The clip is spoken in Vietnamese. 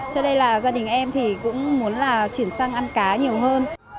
cho nên là gia đình em thì cũng muốn là chuyển sang ăn cá nhiều hơn